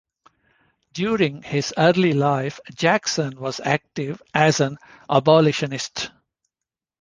During his early life, Jackson was active as an abolitionist.